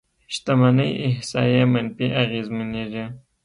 شتمنۍ احصایې منفي اغېزمنېږي.